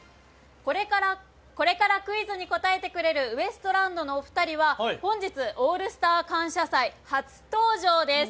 これからクイズに答えてくれるウエストランドのお二人は本日、「オールスター感謝祭」初登場です。